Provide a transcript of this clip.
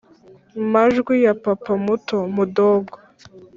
amajwi ya papa muto(mudogo)